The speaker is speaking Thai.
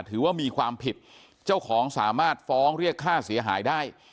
ถือว่ามีความผิดเจ้าของสามารถฟ้องเรียกค่าเสียหายได้